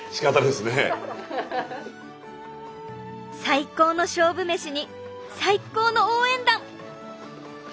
最高の勝負メシに最高の応援団！